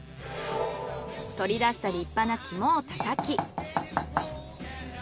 取り出した立派な肝を叩き。